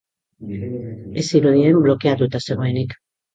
Ez zirudien blokeatuta zegoenik.